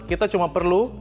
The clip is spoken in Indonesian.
kita cuma perlu